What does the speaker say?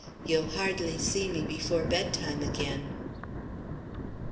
You'll hardly see me before bedtime again."